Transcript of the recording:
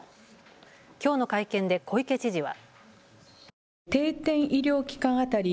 きょうの会見で小池知事は。